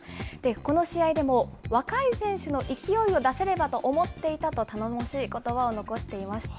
この試合でも、若い選手の勢いを出せればと思っていたと、頼もしいことばを残していました。